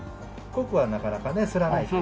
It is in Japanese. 濃くはなかなかねすらないと。